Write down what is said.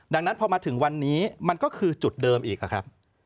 ดังนั้นพอมาถึงวันนี้มันก็คือจุดเดิมอีกครับ